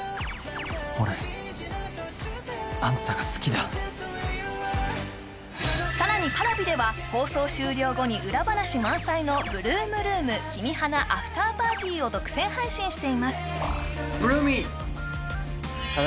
俺あんたが好きだ更にＰａｒａｖｉでは放送終了後に裏話満載の「８ＬＯＯＭＲＯＯＭ君花アフターパーティー！」を独占配信しています